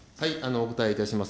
お答えいたします。